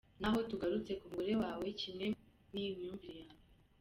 Naho tugarutse ku mugore wawe kimwe n'imyumvire yawe.